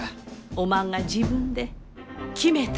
おまんが自分で決めたらえい。